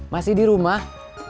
masih di rumah